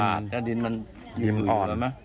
พลาดแล้วดินมันหยิบอ่อน